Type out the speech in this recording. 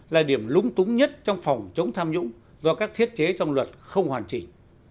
là điểm lúng túng nhất trong phòng chống tham nhũng do các thiết chế trong luật không hoàn chỉnh